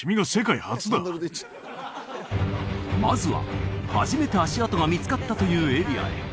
まずは初めて足跡が見つかったというエリアへ